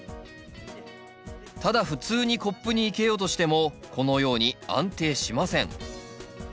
ただ普通にコップに生けようとしてもこのように安定しません。